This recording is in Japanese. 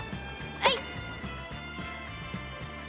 はい。